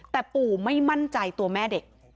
แต่ปู่ไม่มั่นใจตัวแม่เด็ก